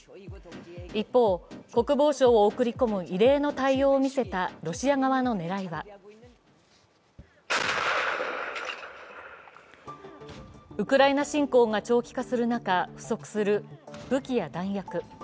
一方、国防相を送り込む異例の対応を見せたロシア側の狙いはウクライナ侵攻が長期化する中不足する武器や弾薬。